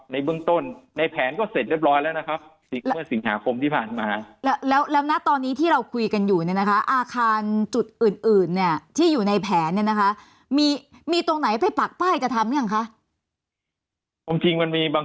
ในเบื้องต้นในแผนก็เสร็จเรียบร้อยแล้วนะครับเมื่อสิงหาคมที่ผ่านมา